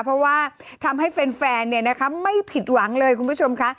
เพราะว่าทำให้แฟนไม่ผิดหวังเลยคุณผู้ชมค่ะ